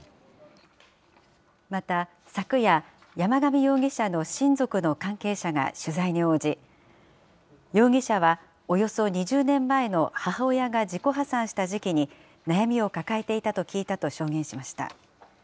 また、昨夜、山上容疑者の親族の関係者が取材に応じ、容疑者はおよそ２０年前の母親が自己破産した時期に、悩みを抱えていたと聞いたと証言しました。